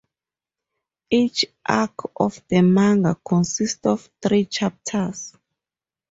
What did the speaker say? Each arc of the manga consists of three chapters.